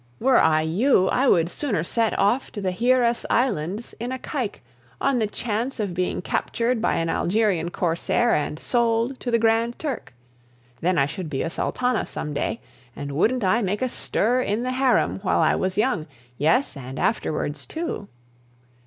Were I you, I would sooner set off to the Hyeres islands in a caique, on the chance of being captured by an Algerian corsair and sold to the Grand Turk. Then I should be a Sultana some day, and wouldn't I make a stir in the harem while I was young yes, and afterwards too!